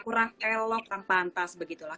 kurang elok tanpa antas begitu lah